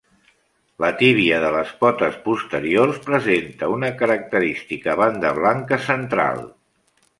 La tíbia de les potes posteriors presenta una característica banda blanca central.